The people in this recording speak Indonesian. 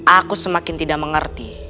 aku semakin tidak mengerti